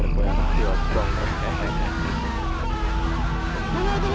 tunggu tunggu tunggu